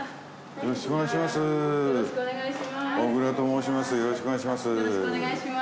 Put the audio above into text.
よろしくお願いします。